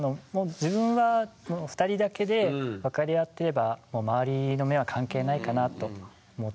自分は２人だけで分かり合っていればもう周りの目は関係ないかなと思っていますね。